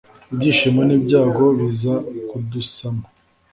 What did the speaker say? ibyishimo nibyago biza kudusama